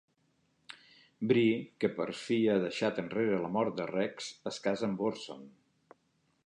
Bree, que per fi ha deixat enrere la mort de Rex, es casa amb Orson.